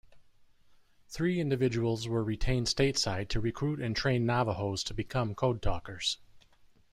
Three individuals were retained stateside to recruit and train Navajos to become code talkers.